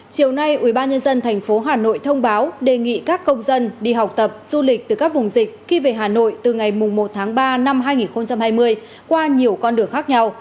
chiều nay ubnd tp hcm thông báo đề nghị các công dân đi học tập du lịch từ các vùng dịch khi về hà nội từ ngày một ba hai nghìn hai mươi qua nhiều con đường khác nhau